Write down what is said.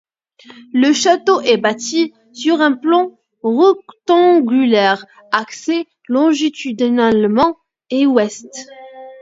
Le château est bâti sur un plan rectangulaire axé longitudinalement est-ouest.